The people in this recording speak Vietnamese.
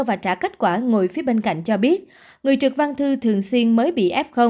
và trả kết quả ngồi phía bên cạnh cho biết người trực văn thư thường xuyên mới bị f